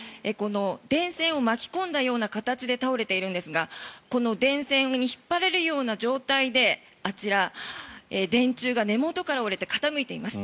電線を巻き込んだような形で倒れているんですがこの電線に引っ張られるような状態であちら、電柱が根元から折れて傾いています。